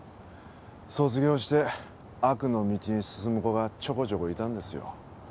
卒業して悪の道に進む子がちょこちょこいたんですよ。